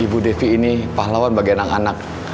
ibu devi ini pahlawan bagi anak anak